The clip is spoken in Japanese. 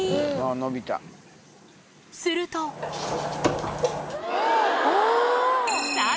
するとおぉ！